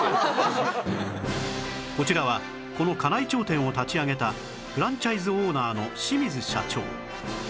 こちらはこの金井町店を立ち上げたフランチャイズオーナーの清水社長